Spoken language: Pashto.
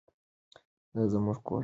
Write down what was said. دا زموږ کور دی.